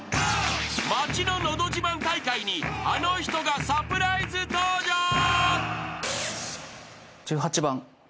［町ののど自慢大会にあの人がサプライズ登場］